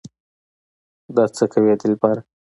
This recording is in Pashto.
دا څه کوې دلبره